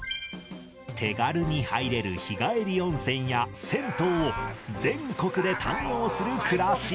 手軽に入れる日帰り温泉や銭湯を全国で堪能する暮らし